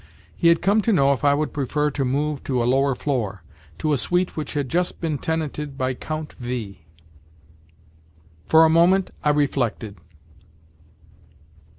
He had come to know if I would prefer to move to a lower floor—to a suite which had just been tenanted by Count V. For a moment I reflected.